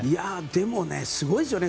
でも、すごいですよね。